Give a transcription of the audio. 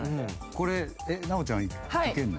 これ奈央ちゃんいけるの？